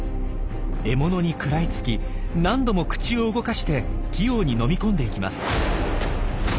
獲物に食らいつき何度も口を動かして器用に飲み込んでいきます。